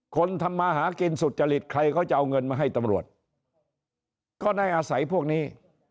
คนทำมาหากินสุจริตใครเขาจะเอาเงินมาให้ตำรวจก็ได้อาศัยพวกนี้